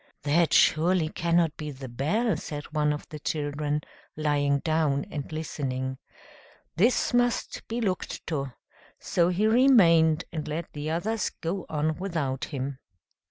"That surely cannot be the bell," said one of the children, lying down and listening. "This must be looked to." So he remained, and let the others go on without him.